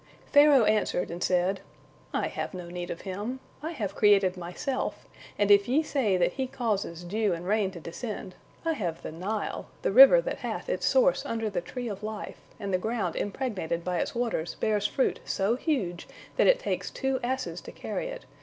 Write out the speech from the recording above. Pharaoh answered, and said: "I have no need of Him. I have created myself, and if ye say that He causes dew and rain to descend, I have the Nile, the river that hath its source under the tree of life, and the ground impregnated by its waters bears fruit so huge that it takes two asses to carry it.